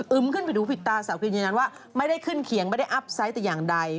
ึมขึ้นไปดูผิดตาสาวกรีนยืนยันว่าไม่ได้ขึ้นเขียงไม่ได้อัพไซต์แต่อย่างใด